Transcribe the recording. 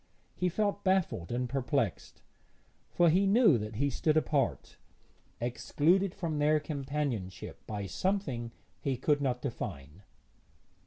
He felt baffled and perplexed, for he knew that he stood apart, excluded from their companionship by something he could not define.